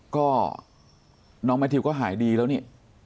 ก็น้องแมททิวก็หายดีแล้วนี่